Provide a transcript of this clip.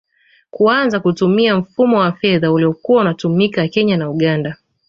Kuanza kutumia mfumo wa fedha uliokuwa unatumika Kenya na Uganda